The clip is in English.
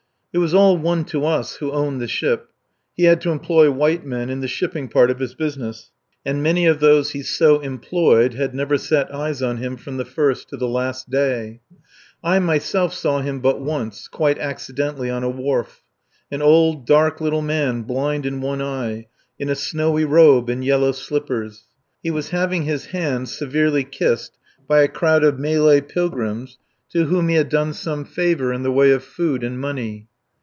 It was all one to us who owned the ship. He had to employ white men in the shipping part of his business, and many of those he so employed had never set eyes on him from the first to the last day. I myself saw him but once, quite accidentally on a wharf an old, dark little man blind in one eye, in a snowy robe and yellow slippers. He was having his hand severely kissed by a crowd of Malay pilgrims to whom he had done some favour, in the way of food and money.